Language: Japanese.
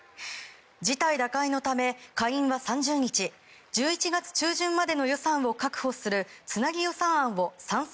事態打開のため、下院は３０日１１月中旬までの予算を確保するつなぎ予算案を賛成